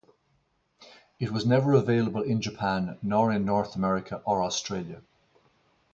It was never available in Japan, nor in North America or Australia.